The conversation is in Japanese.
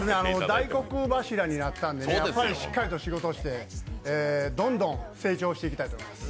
大黒柱になったんでね、やっぱりしっかりと仕事して、どんどん成長していきたいと思います。